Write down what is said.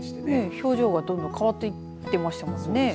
表情がどんどん変わっていていました。